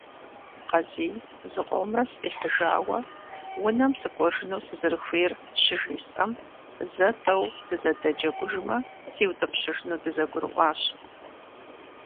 Къазий зыкъомрэ сфӀихьыжауэ, унэм сыкӀуэжыну сызэрыхуейр щыжесӀэм, зэ–тӀэу дызэдэджэгужмэ, сиутӏыпщыжыну дызэгурыӏуащ.